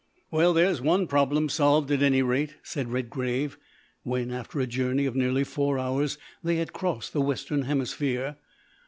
"Well, there is one problem solved at any rate," said Redgrave, when, after a journey of nearly four hours, they had crossed the western hemisphere.